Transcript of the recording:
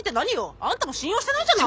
あんたも信用してないんじゃない。